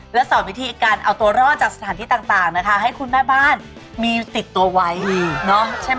และสอนวิธีการเอาตัวรอดจากสถานที่ต่างนะคะให้คุณแม่บ้านมีติดตัวไว้เนาะใช่ไหม